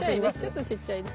ちょっとちっちゃいね。